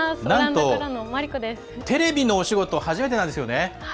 なんと、テレビのお仕事初めてなんですよね。